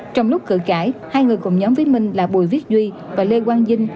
trong lúc cử cãi hai người cùng nhóm viết minh là bùi viết duy và lê quang dinh